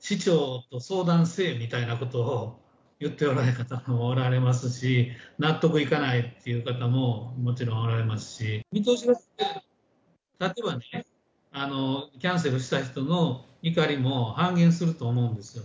市長と相談せいみたいなことを言っておられる方もおられますし、納得いかないという方ももちろんおられますし、見通しが立てばね、キャンセルした人の怒りも半減すると思うんですよ。